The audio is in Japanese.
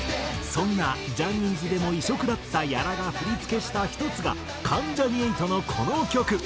そんなジャニーズでも異色だった屋良が振付した１つが関ジャニ∞のこの曲。